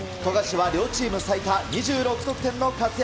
富樫は両チーム最多２６得点の活躍。